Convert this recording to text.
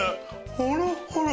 ほろっほろ！